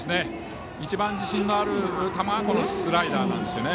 一番自信のある球がスライダーなんですよね。